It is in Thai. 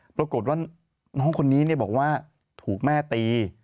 ปรากฏว่าน้องคนนี้บอกว่าถูกแม่ตี